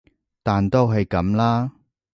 但都係噉啦